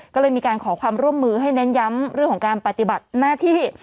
ก็เลยมีการขอความร่วมมือให้เน้นย้ำเรื่องของการปฏิบัติหน้าที่